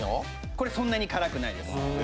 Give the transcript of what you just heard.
これそんなに辛くないです。